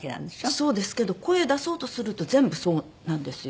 そうですけど声出そうとすると全部そうなんですよ。